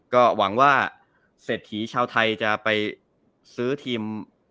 ก็หวังว่าเศรษฐีชาวไทยจะไปซื้อทีม